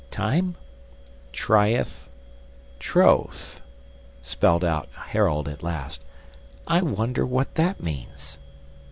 "TIME: TRYETH: TROTHE:" spelt out Harold at last. "I wonder what that means?"